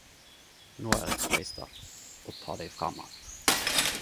Nå er eg freista å ta dei fram att.